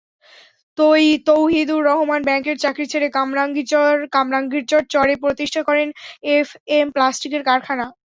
তৌহিদুর রহমান ব্যাংকের চাকরি ছেড়ে কামরাঙ্গীরচর চরে প্রতিষ্ঠা করেন এফএম প্লাস্টিকের কারখানা।